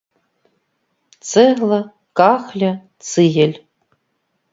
Цэгла, кахля, цыгель.